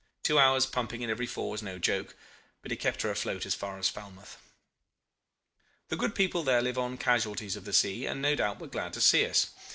Two hours' pumping in every four is no joke but it kept her afloat as far as Falmouth. "The good people there live on casualties of the sea, and no doubt were glad to see us.